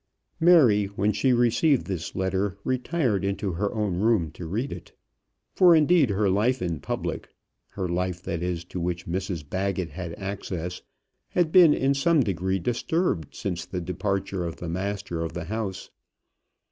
Mary, when she received this letter, retired into her own room to read it. For indeed her life in public, her life, that is, to which Mrs Baggett had access, had been in some degree disturbed since the departure of the master of the house.